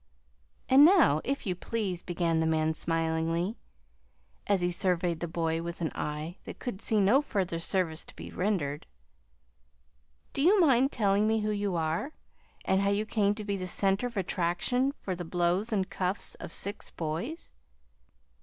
"And now, if you please," began the man smilingly, as he surveyed the boy with an eye that could see no further service to be rendered, "do you mind telling me who you are, and how you came to be the center of attraction for the blows and cuffs of six boys?"